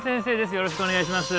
よろしくお願いします